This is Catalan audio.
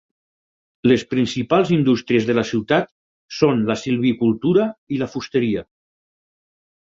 Les principals indústries de la ciutat són la silvicultura i la fusteria.